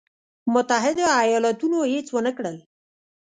متحدو ایالتونو هېڅ ونه کړل.